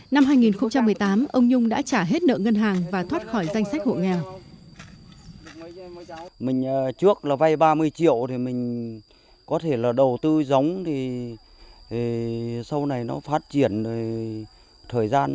năm hai nghìn một mươi tám ông nhung đã trả hết nợ ngân hàng và thoát khỏi danh sách hộ nghèo